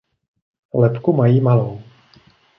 Lebku mají malou.